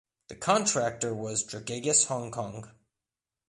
The contractor was Dragages Hong Kong.